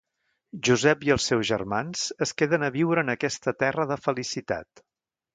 Josep i els seus germans es queden a viure en aquesta terra de felicitat.